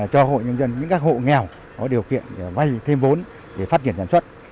cho hội nhân dân những các hộ nghèo có điều kiện vay thêm vốn để phát triển sản xuất